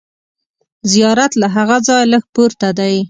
زیارت له هغه ځایه لږ پورته دی.